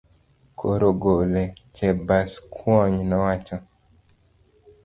Koro gole, Chebaskwony nowacho.